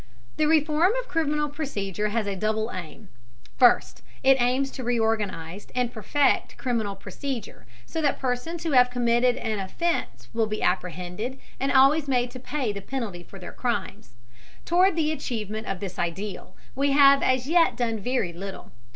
The reform of criminal procedure has a double aim. First, it aims to reorganize and perfect criminal procedure so that persons who have committed an offense will be apprehended and always made to pay the penalty for their crimes. Toward the achievement of this ideal we have as yet done very little.